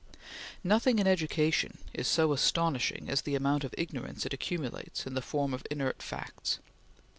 Nothing in education is so astonishing as the amount of ignorance it accumulates in the form of inert facts.